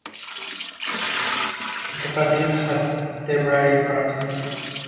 Fitzpatrick has cerebral palsy.